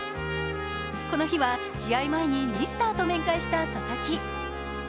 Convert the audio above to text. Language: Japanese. この日は、試合前にミスターと面会した佐々木。